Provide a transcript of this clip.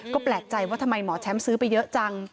ก็แปลกใจว่าทำไมหมอแชมป์ซื้อไปเยอะจัง